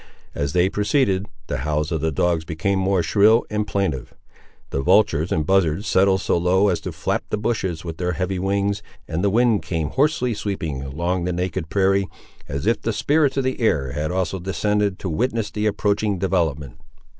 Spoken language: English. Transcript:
As they proceeded, the howls of the dogs became more shrill and plaintive. The vultures and buzzards settled so low as to flap the bushes with their heavy wings, and the wind came hoarsely sweeping along the naked prairie, as if the spirits of the air had also descended to witness the approaching development.